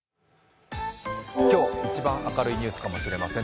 今日、一番明るいニュースかもしれません。